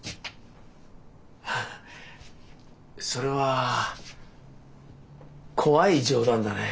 あそれは怖い冗談だね。